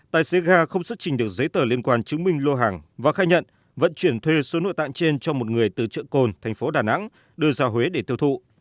tài xế ga không xuất trình được giấy tờ liên quan chứng minh lô hàng và khai nhận vận chuyển thuê số nội tạng trên cho một người từ chợ cồn thành phố đà nẵng đưa ra huế để tiêu thụ